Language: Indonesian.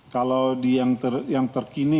kalau yang terkini